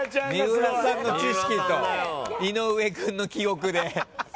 三浦さんの知識と井上君の記憶で。